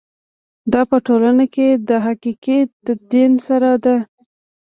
دا په ټولنه کې د حقیقي تدین سره ده.